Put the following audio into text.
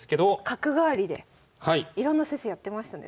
角換わりでいろんな先生やってましたね